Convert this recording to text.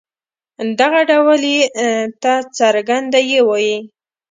دغه ډول ي ته څرګنده يې وايي.